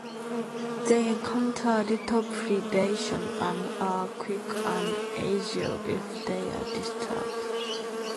They encounter little predation and are quick and agile if they are disturbed.